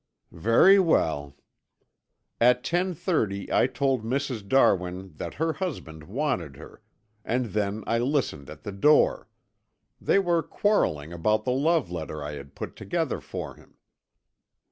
"Very well. At ten thirty I told Mrs. Darwin that her husband wanted her and then I listened at the door. They were quarreling about the love letter I had put together for him."